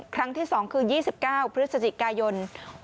ครั้งที่๒คือ๒๙พฤศจิกายน๖๖